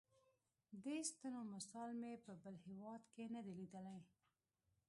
دې ستنو مثال مې په بل هېواد کې نه دی لیدلی.